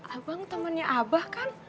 abang temennya abah kan